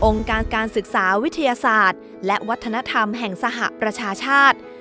การการศึกษาวิทยาศาสตร์และวัฒนธรรมแห่งสหประชาชาติ